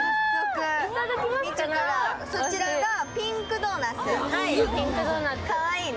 そちらがピンクドーナツ、かわいいね。